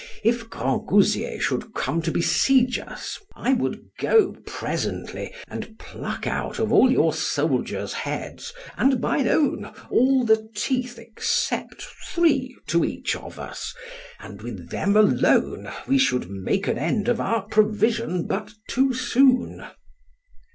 If Grangousier should come to besiege us, I would go presently, and pluck out of all your soldiers' heads and mine own all the teeth, except three to each of us, and with them alone we should make an end of our provision but too soon.